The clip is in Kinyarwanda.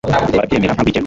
barabyemera nta rwikekwe